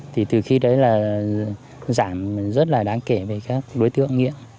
thì từ khi đấy là giảm rất là đáng kể về các đối tượng nghiện